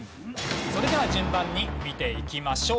それでは順番に見ていきましょう。